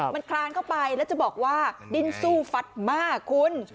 มันคลานเข้าไปแล้วจะบอกว่าดิ้นสู้ฟัดมากคุณ